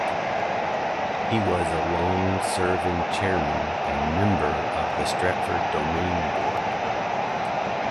He was a long-serving chairman and member of the Stratford Domain Board.